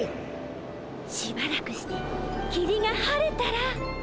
しばらくしてきりが晴れたら。